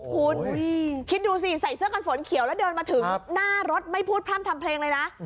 คุณคิดดูสิใส่เสื้อกันฝนเขียวแล้วเดินมาถึงหน้ารถไม่พูดพร่ำทำเพลงเลยนะ